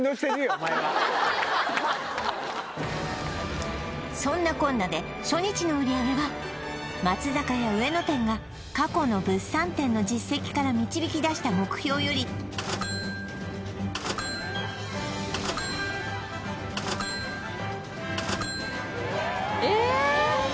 お前はそんなこんなで初日の売上は松坂屋上野店が過去の物産展の実績から導き出した目標よりええ